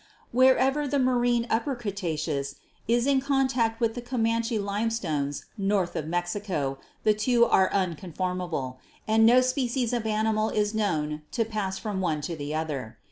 Wher ever the marine Upper Cretaceous is in contact with the Comanche limestones north of Mexico the two are un conformable, and no species of animal is known to pass from one to the other.